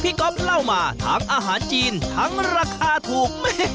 ก๊อฟเล่ามาทั้งอาหารจีนทั้งราคาถูก